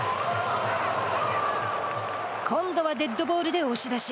今度はデッドボールで押し出し。